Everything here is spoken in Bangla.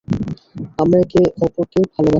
আমরা একে অপরকে ভালবাসতাম।